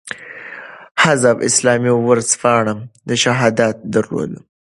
حزب اسلامي ورځپاڼه "شهادت" درلوده.